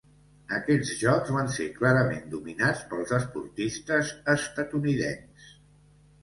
Aquests jocs van ser clarament dominats pels esportistes estatunidencs.